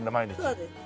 そうです。